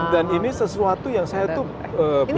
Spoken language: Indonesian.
dan ini sesuatu yang saya tuh beruntung